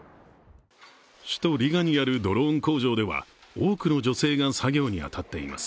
首都リガにあるドローン工場では多くの女性が作業に当たっています。